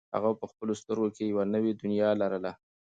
هغې په خپلو سترګو کې یوه نوې دنیا لرله.